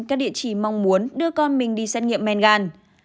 các địa chỉ mong muốn đưa con mình đi xét nghiệm men gan